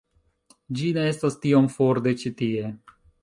Ĝi ne estas tiom for de ĉi tie